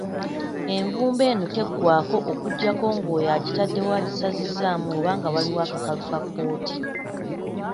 Envumbo eno teggwaako okuggyako ng'oyo agitaddeyo agisazizzaamu oba nga waliwo akakalu ka kkooti.